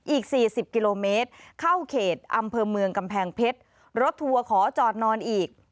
อีกสี่สิบกิโลเมตรเข้าเขตอำเภอเมืองกำแพงเพชรรถทัวร์ขอจอดนอนอีก